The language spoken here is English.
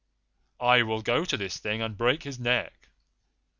'I will go to this Thing and break his neck.